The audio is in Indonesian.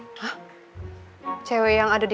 nah cewek yang ada di